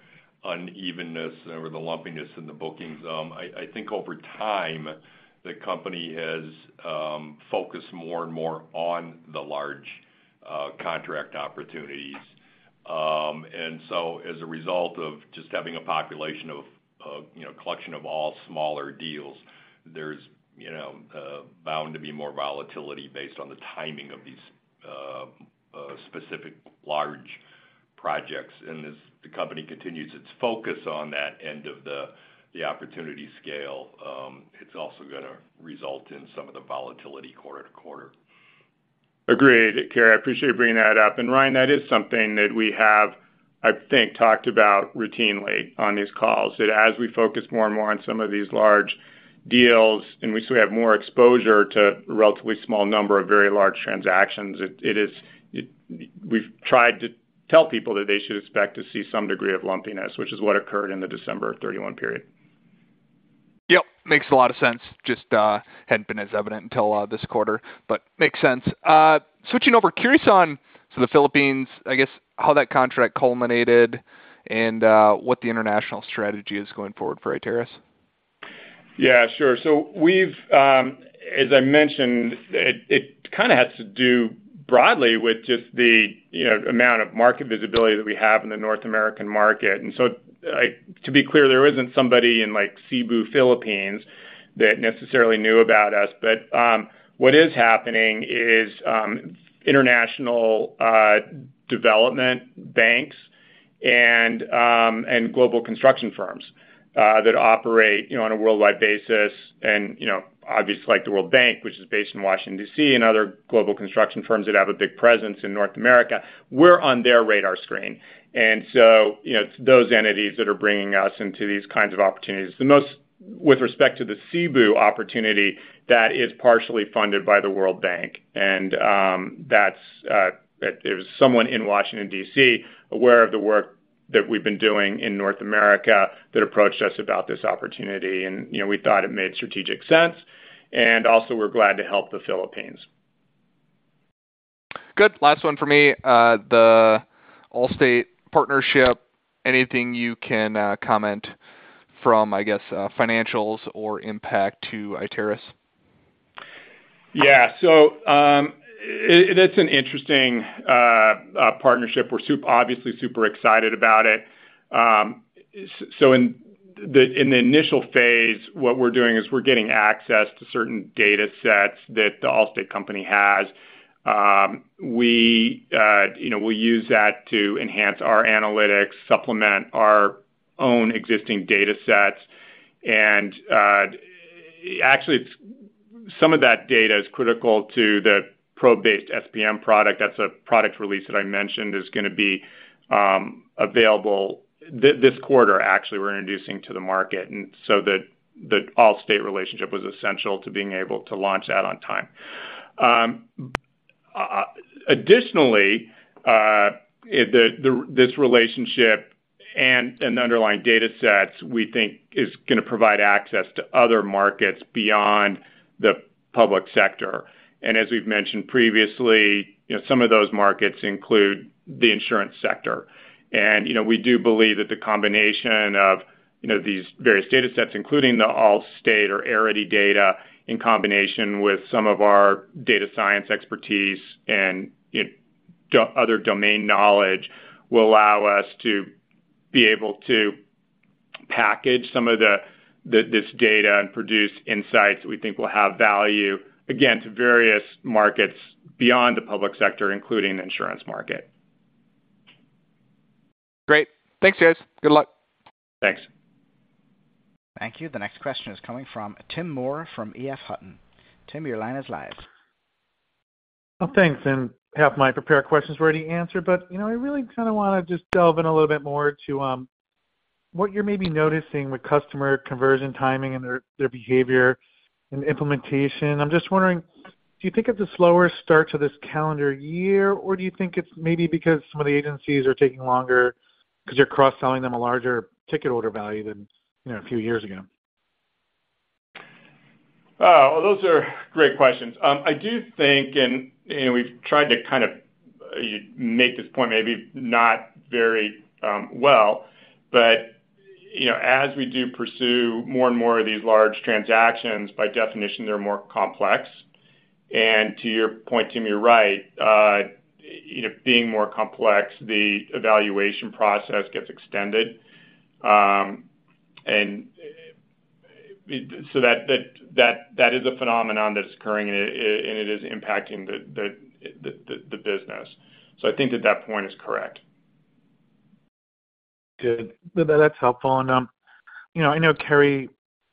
unevenness or the lumpiness in the bookings. I think over time, the company has focused more and more on the large contract opportunities. And so as a result of just having a population of, you know, collection of all smaller deals, there's, you know, bound to be more volatility based on the timing of these specific large projects. And as the company continues its focus on that end of the opportunity scale, it's also gonna result in some of the volatility quarter to quarter. Agreed, Kerry, I appreciate you bringing that up. And Ryan, that is something that we have, I think, talked about routinely on these calls, that as we focus more and more on some of these large deals, and we still have more exposure to a relatively small number of very large transactions, it is - we've tried to tell people that they should expect to see some degree of lumpiness, which is what occurred in the December 31 period. Yep, makes a lot of sense. Just hadn't been as evident until this quarter, but makes sense. Switching over, curious on to the Philippines, I guess, how that contract culminated and what the international strategy is going forward for Iteris? Yeah, sure. So we've, as I mentioned, it kind of has to do broadly with just the, you know, amount of market visibility that we have in the North American market. And so, to be clear, there isn't somebody in, like, Cebu, Philippines, that necessarily knew about us. But what is happening is international development banks and global construction firms that operate, you know, on a worldwide basis. And, you know, obviously, like the World Bank, which is based in Washington, D.C., and other global construction firms that have a big presence in North America, we're on their radar screen. And so, you know, it's those entities that are bringing us into these kinds of opportunities. The most, with respect to the Cebu opportunity, that is partially funded by the World Bank. And, that's, there's someone in Washington, D.C., aware of the work that we've been doing in North America, that approached us about this opportunity. And, you know, we thought it made strategic sense, and also we're glad to help the Philippines. Good. Last one for me. The Allstate partnership, anything you can comment from, I guess, financials or impact to Iteris? Yeah. So, it's an interesting partnership. We're obviously super excited about it. So in the initial phase, what we're doing is we're getting access to certain datasets that the Allstate company has. We, you know, use that to enhance our analytics, supplement our own existing datasets. And actually, some of that data is critical to the Probe-Based SPM product. That's a product release that I mentioned, is gonna be available this quarter, actually, we're introducing to the market, and so the Allstate relationship was essential to being able to launch that on time. Additionally, this relationship and the underlying datasets, we think is gonna provide access to other markets beyond the public sector. And as we've mentioned previously, you know, some of those markets include the insurance sector. You know, we do believe that the combination of, you know, these various datasets, including the Allstate or Arity data, in combination with some of our data science expertise and other domain knowledge, will allow us to be able to package some of this data and produce insights we think will have value, again, to various markets beyond the public sector, including the insurance market. Great. Thanks, guys. Good luck. Thanks. Thank you. The next question is coming from Tim Moore from EF Hutton. Tim, your line is live. Well, thanks, and half my prepared questions were already answered, but, you know, I really kind of want to just delve in a little bit more to what you're maybe noticing with customer conversion, timing, and their, their behavior and implementation. I'm just wondering, do you think it's a slower start to this calendar year, or do you think it's maybe because some of the agencies are taking longer because you're cross-selling them a larger ticket order value than, you know, a few years ago? Those are great questions. I do think, and, you know, we've tried to kind of make this point maybe not very well, but, you know, as we do pursue more and more of these large transactions, by definition, they're more complex. To your point, Tim, you're right. You know, being more complex, the evaluation process gets extended. So that is a phenomenon that's occurring, and it is impacting the business. So I think that that point is correct. Good. That's helpful. And, you know, I know Kerry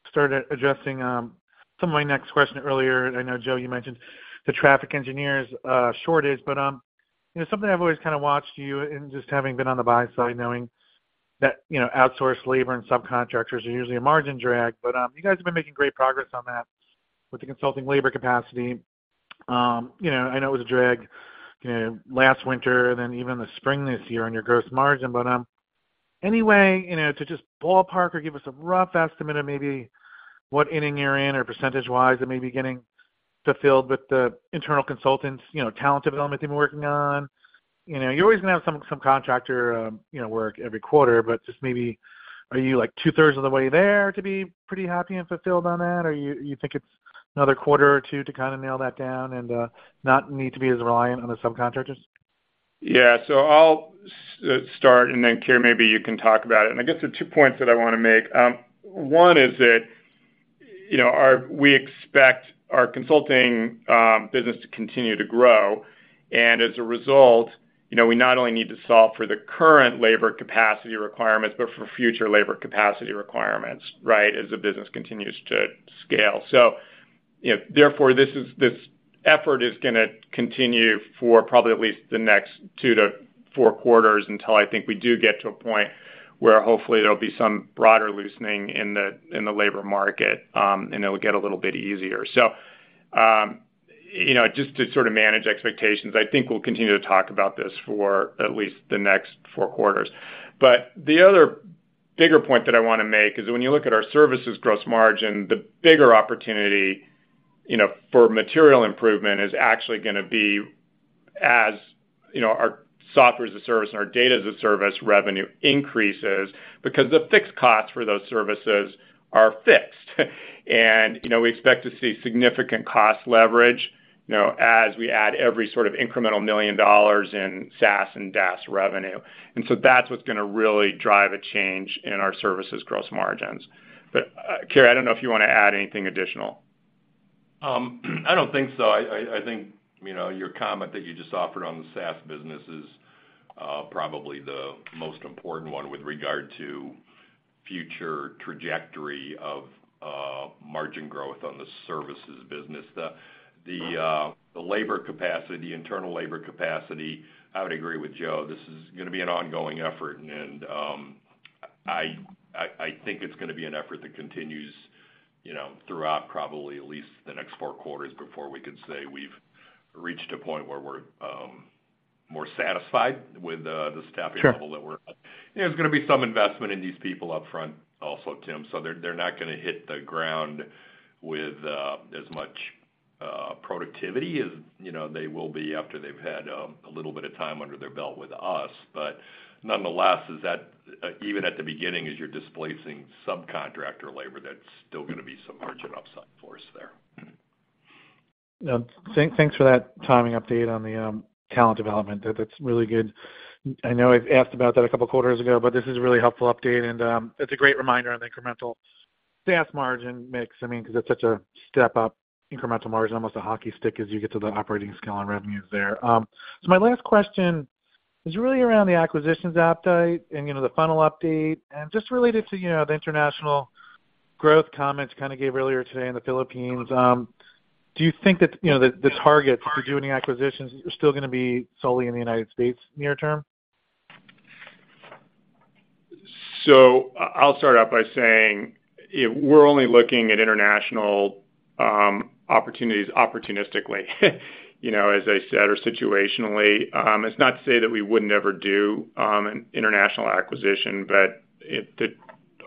started addressing some of my next question earlier. I know, Joe, you mentioned the traffic engineers shortage, but, you know, something I've always kind of watched you and just having been on the buy side, knowing that, you know, outsourced labor and subcontractors are usually a margin drag, but, you guys have been making great progress on that with the consulting labor capacity. You know, I know it was a drag, you know, last winter and then even the spring this year on your gross margin, but, any way, you know, to just ballpark or give us a rough estimate of maybe what inning you're in or percentage-wise it may be getting fulfilled with the internal consultants, you know, talent development team working on? You know, you're always gonna have some contractor, you know, work every quarter, but just maybe, are you, like, two-thirds of the way there to be pretty happy and fulfilled on that? Or you think it's another quarter or two to kind of nail that down and not need to be as reliant on the subcontractors? Yeah. So I'll start, and then, Kerry, maybe you can talk about it. And I guess the 2 points that I want to make, one is that, you know, our we expect our consulting business to continue to grow.... and as a result, you know, we not only need to solve for the current labor capacity requirements, but for future labor capacity requirements, right, as the business continues to scale. So, you know, therefore, this effort is gonna continue for probably at least the next 2-4 quarters until I think we do get to a point where hopefully there'll be some broader loosening in the, in the labor market, and it will get a little bit easier. So, you know, just to sort of manage expectations, I think we'll continue to talk about this for at least the next 4 quarters. But the other bigger point that I wanna make is, when you look at our services gross margin, the bigger opportunity, you know, for material improvement is actually gonna be as, you know, our Software as a Service and our Data as a Service revenue increases because the fixed costs for those services are fixed. And, you know, we expect to see significant cost leverage, you know, as we add every sort of incremental $1 million in SaaS and DaaS revenue. And so that's what's gonna really drive a change in our services gross margins. But, Kerry, I don't know if you wanna add anything additional. I don't think so. I think, you know, your comment that you just offered on the SaaS business is probably the most important one with regard to future trajectory of margin growth on the services business. The labor capacity, internal labor capacity, I would agree with Joe, this is gonna be an ongoing effort, and I think it's gonna be an effort that continues, you know, throughout probably at least the next four quarters before we could say we've reached a point where we're more satisfied with the staffing level- Sure... that we're at. You know, there's gonna be some investment in these people upfront also, Tim, so they're not gonna hit the ground with as much productivity as, you know, they will be after they've had a little bit of time under their belt with us. But nonetheless, is that even at the beginning, as you're displacing subcontractor labor, that's still gonna be some margin upside for us there. Thanks for that timing update on the talent development. That's really good. I know I've asked about that a couple quarters ago, but this is a really helpful update, and it's a great reminder on the incremental SaaS margin mix. I mean, 'cause it's such a step up, incremental margin, almost a hockey stick as you get to the operating scale and revenues there. So my last question is really around the acquisitions update and, you know, the funnel update, and just related to, you know, the international growth comments you kind of gave earlier today in the Philippines. Do you think that, you know, the targets for doing the acquisitions are still gonna be solely in the United States near term? So I'll start out by saying, we're only looking at international opportunities opportunistically, you know, as I said, or situationally. It's not to say that we would never do an international acquisition, but the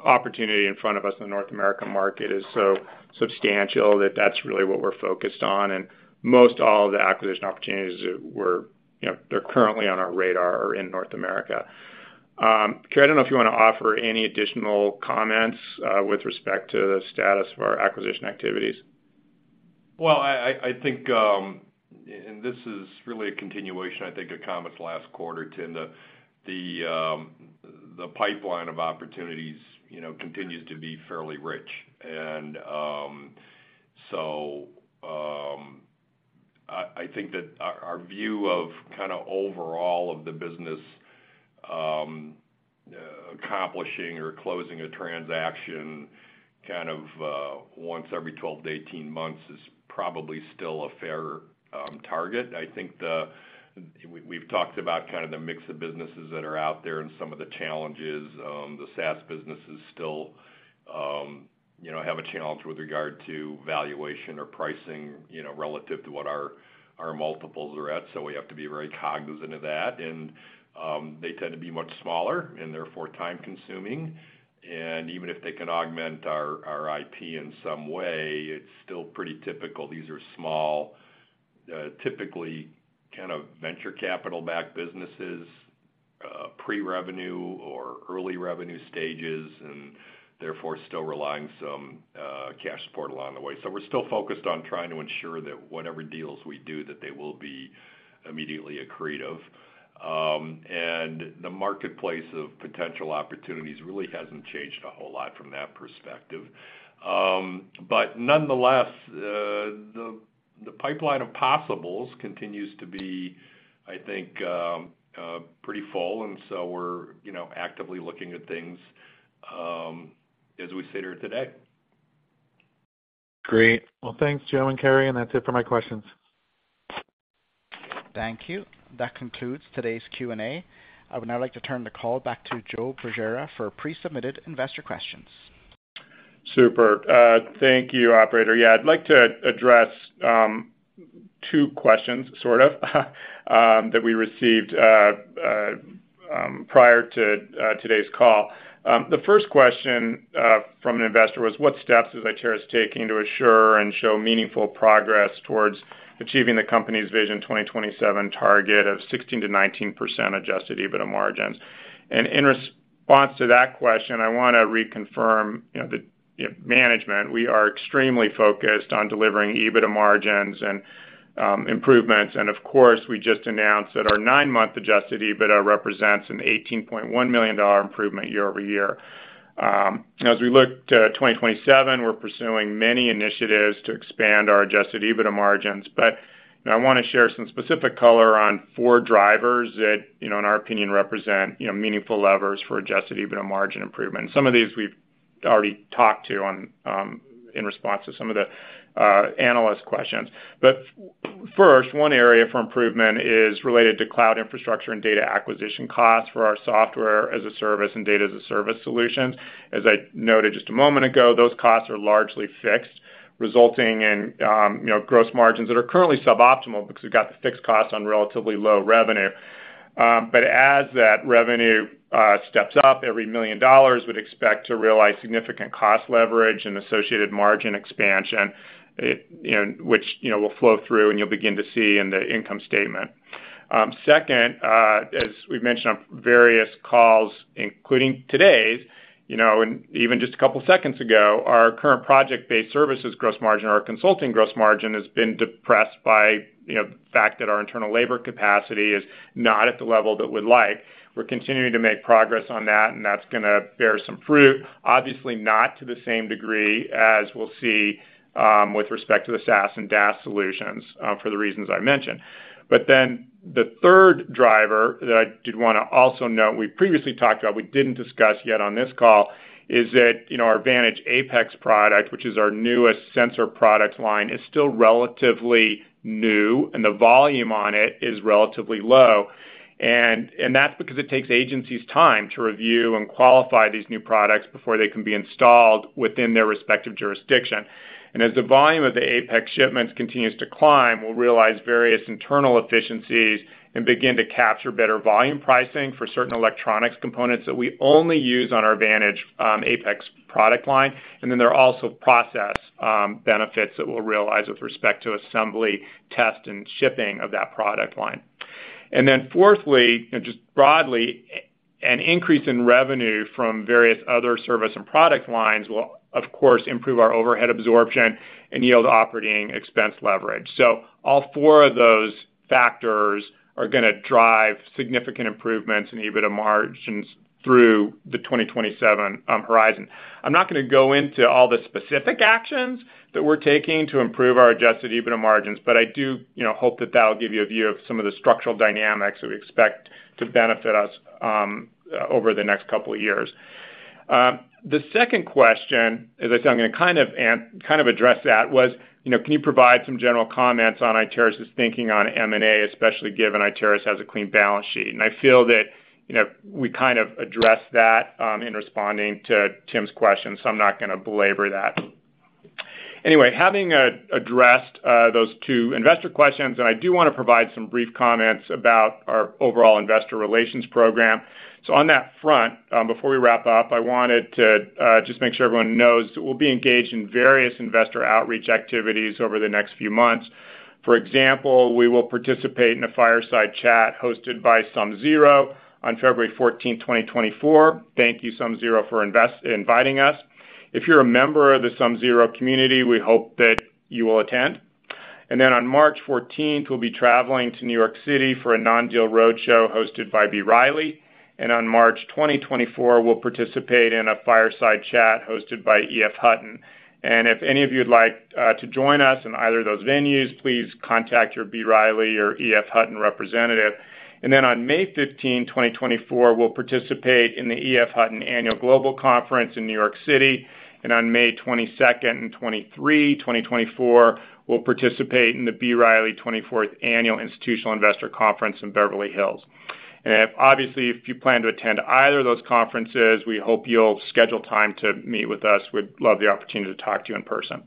opportunity in front of us in the North American market is so substantial that that's really what we're focused on, and most all of the acquisition opportunities that we're, you know, they're currently on our radar are in North America. Kerry, I don't know if you wanna offer any additional comments with respect to the status of our acquisition activities. Well, I think, and this is really a continuation, I think, of comments last quarter, Tim, the pipeline of opportunities, you know, continues to be fairly rich. And, so, I think that our view of kind of overall of the business, accomplishing or closing a transaction, kind of, once every 12-18 months is probably still a fair target. I think. We’ve talked about kind of the mix of businesses that are out there and some of the challenges. The SaaS business is still, you know, have a challenge with regard to valuation or pricing, you know, relative to what our multiples are at, so we have to be very cognizant of that. And, they tend to be much smaller and therefore, time-consuming. Even if they can augment our IP in some way, it's still pretty typical. These are small, typically kind of venture capital-backed businesses, pre-revenue or early revenue stages, and therefore, still relying some cash support along the way. So we're still focused on trying to ensure that whatever deals we do, that they will be immediately accretive. The marketplace of potential opportunities really hasn't changed a whole lot from that perspective. But nonetheless, the pipeline of possibles continues to be, I think, pretty full, and so we're, you know, actively looking at things as we sit here today. Great. Well, thanks, Joe and Kerry, and that's it for my questions. Thank you. That concludes today's Q&A. I would now like to turn the call back to Joe Bergera for pre-submitted investor questions. Super. Thank you, operator. Yeah, I'd like to address two questions, sort of, that we received prior to today's call. The first question from an investor was: What steps is Iteris taking to assure and show meaningful progress towards achieving the company's Vision 2027 target of 16%-19% Adjusted EBITDA margins? And in response to that question, I wanna reconfirm, you know, the, you know, management, we are extremely focused on delivering EBITDA margins and improvements. And of course, we just announced that our 9-month Adjusted EBITDA represents an $18.1 million improvement year-over-year. As we look to 2027, we're pursuing many initiatives to expand our Adjusted EBITDA margins. But, you know, I want to share some specific color on four drivers that, you know, in our opinion, represent, you know, meaningful levers for Adjusted EBITDA margin improvement. Some of these we've already talked to on in response to some of the analyst questions. But first, one area for improvement is related to cloud infrastructure and data acquisition costs for our Software as a Service and Data as a Service solutions. As I noted just a moment ago, those costs are largely fixed, resulting in, you know, gross margins that are currently suboptimal because we've got the fixed costs on relatively low revenue. But as that revenue steps up, every $1 million would expect to realize significant cost leverage and associated margin expansion, it, you know, which, you know, will flow through and you'll begin to see in the income statement. Second, as we've mentioned on various calls, including today's, you know, and even just a couple seconds ago, our current project-based services gross margin, our consulting gross margin, has been depressed by, you know, the fact that our internal labor capacity is not at the level that we'd like. We're continuing to make progress on that, and that's gonna bear some fruit. Obviously, not to the same degree as we'll see with respect to the SaaS and DaaS solutions, for the reasons I mentioned. But then the third driver that I did wanna also note, we previously talked about, we didn't discuss yet on this call, is that, you know, our Vantage Apex product, which is our newest sensor product line, is still relatively new, and the volume on it is relatively low. And that's because it takes agencies time to review and qualify these new products before they can be installed within their respective jurisdiction. And as the volume of the Apex shipments continues to climb, we'll realize various internal efficiencies and begin to capture better volume pricing for certain electronics components that we only use on our Vantage Apex product line. And then there are also process benefits that we'll realize with respect to assembly, test, and shipping of that product line. And then fourthly, and just broadly, an increase in revenue from various other service and product lines will, of course, improve our overhead absorption and yield operating expense leverage. So all four of those factors are gonna drive significant improvements in EBITDA margins through the 2027 horizon. I'm not gonna go into all the specific actions that we're taking to improve our Adjusted EBITDA margins, but I do, you know, hope that that will give you a view of some of the structural dynamics that we expect to benefit us over the next couple of years. The second question, as I said, I'm gonna kind of address that was, you know, can you provide some general comments on Iteris' thinking on M&A, especially given Iteris has a clean balance sheet? And I feel that, you know, we kind of addressed that in responding to Tim's question, so I'm not gonna belabor that. Anyway, having addressed those two investor questions, and I do wanna provide some brief comments about our overall investor relations program. So on that front, before we wrap up, I wanted to just make sure everyone knows that we'll be engaged in various investor outreach activities over the next few months. For example, we will participate in a fireside chat hosted by SumZero on February 14, 2024. Thank you, SumZero, for inviting us. If you're a member of the SumZero community, we hope that you will attend. And then on March 14, we'll be traveling to New York City for a non-deal roadshow hosted by B. Riley. And on March 20, 2024, we'll participate in a fireside chat hosted by EF Hutton. And if any of you'd like to join us in either of those venues, please contact your B. Riley or EF Hutton representative. And then on May 15, 2024, we'll participate in the EF Hutton Annual Global Conference in New York City. On May 22nd and 23rd, 2024, we'll participate in the B. Riley 24th Annual Institutional Investor Conference in Beverly Hills. Obviously, if you plan to attend either of those conferences, we hope you'll schedule time to meet with us. We'd love the opportunity to talk to you in person.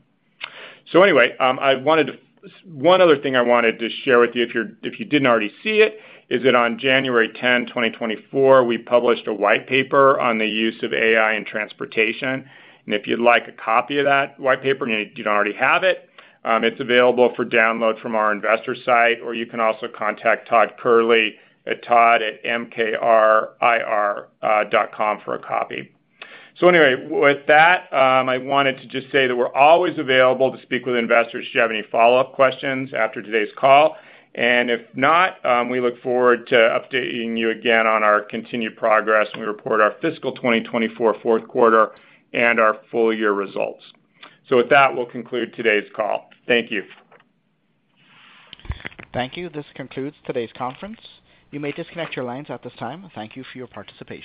One other thing I wanted to share with you, if you didn't already see it, is that on January 10, 2024, we published a white paper on the use of AI in transportation. If you'd like a copy of that white paper, and you don't already have it, it's available for download from our investor site, or you can also contact Todd Kehrli at todd@mkrir.com for a copy. So anyway, with that, I wanted to just say that we're always available to speak with investors should you have any follow-up questions after today's call. And if not, we look forward to updating you again on our continued progress when we report our fiscal 2024 fourth quarter and our full year results. So with that, we'll conclude today's call. Thank you. Thank you. This concludes today's conference. You may disconnect your lines at this time. Thank you for your participation.